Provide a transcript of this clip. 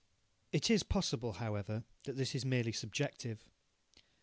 It is possible, however, that this is merely subjective.